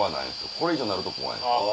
これ以上になると怖い。